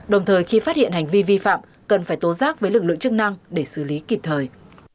đồng thời khi phát hiện hành vi vi phạm cần phải tố giác với lực lượng chức năng để xử lý kịp thời